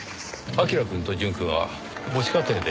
彬くんと淳くんは母子家庭でしたね。